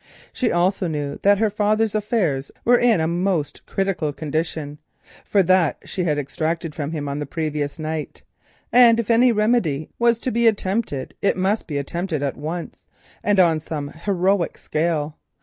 She also knew that her father's affairs were in a most critical condition, for this she had extracted from him on the previous night, and that if any remedy was to be attempted it must be attempted at once, and on some heroic scale.